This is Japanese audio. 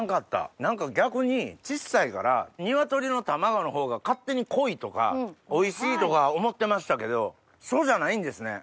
何か逆に小っさいからニワトリの卵のほうが勝手に濃いとかおいしいとか思ってましたけどそうじゃないんですね。